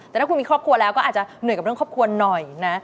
แต่ถ้าคุณมีครอบครัวแล้วก็อาจจะเหนื่อยกับเรื่องครอบครัวหน่อยนะ